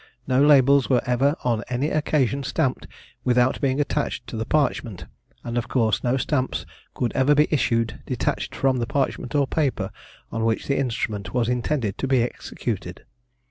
No labels were ever on any occasion stamped without being attached to the parchment, and of course no stamps could ever be issued detached from the parchment or paper on which the instrument was intended to be executed.